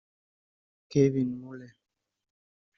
Kevin Muley